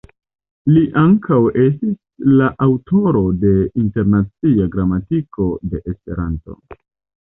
Li ankaŭ estis la aŭtoro de "Internacia Gramatiko de Esperanto.